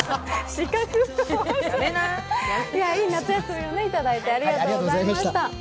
いい夏休みをいただいて、ありがとうございました。